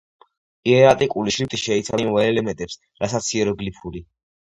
იერატიკული შრიფტი შეიცავდა იმავე ელემენტებს, რასაც იეროგლიფური.